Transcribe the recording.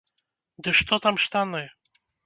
Ды што там штаны.